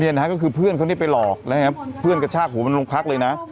นี่นะฮะก็คือเพื่อนเขาเนี่ยไปหลอกนะครับเพื่อนกระชากหัวมันลงพักเลยนะ